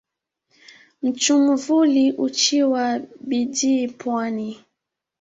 Nchumvuli huchia mbidhii pwani.